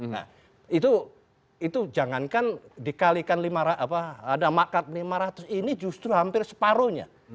nah itu itu jangankan dikalikan lima apa ada makad lima ratus ini justru hampir separohnya